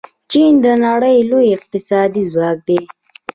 چین د نړۍ لوی اقتصادي ځواک دی.